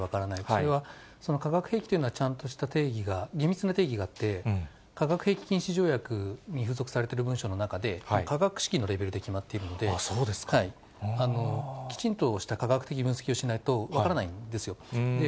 それは化学兵器というのは、ちゃんとした定義が、厳密な定義があって、化学兵器禁止条約にされている文書の中で、化学式のレベルで決まっているので、きちんとした化学的分析をしないと分からないんですよ。